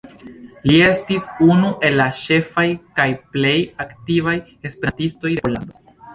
Li estis unu el la ĉefaj kaj plej aktivaj esperantistoj de Pollando.